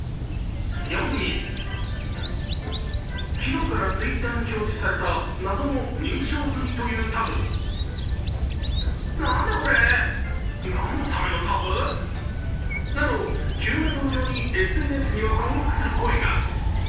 ４位、昨日からＴｗｉｔｔｅｒに表示された謎の認証済みというタブ。など、急な登場にＳＮＳには困惑する声が。